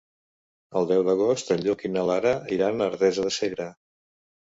El deu d'agost en Lluc i na Lara iran a Artesa de Segre.